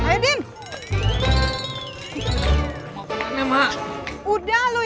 ya udah kalau